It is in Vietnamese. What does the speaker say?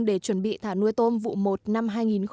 để chuẩn bị thả nuôi tôm vụ một năm hai nghìn một mươi bảy